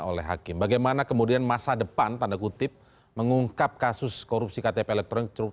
oleh hakim bagaimana kemudian masa depan tanda kutip mengungkap kasus korupsi ktp elektronik